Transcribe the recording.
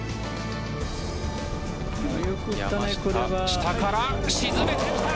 下から沈めてきた！